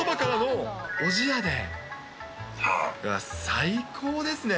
最高ですね。